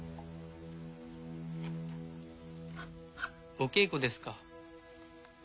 お稽古ですか？